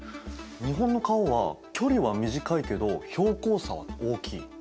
日本の川は距離は短いけど標高差は大きい。